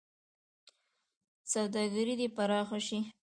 سوداګري دې پراخه شي.